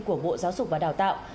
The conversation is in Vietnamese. của bộ giáo dục và đào tạo